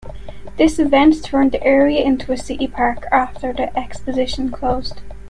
This event turned the area into a City park after the exposition closed.